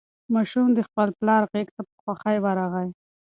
ماشوم د خپل پلار غېږې ته په خوښۍ ورغی.